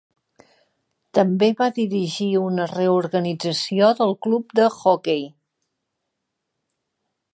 També va dirigir una reorganització del club de joquei.